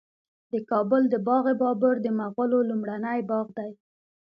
د کابل د باغ بابر د مغلو لومړنی باغ دی